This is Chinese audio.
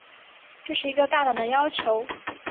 这是一个大胆的要求。